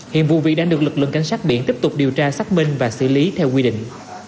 hiện vụ việc đang được lực lượng cảnh sát biển tiếp tục điều tra xác minh và xử lý theo quy định